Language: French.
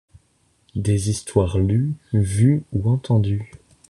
Des histoires lues, vues ou entendues…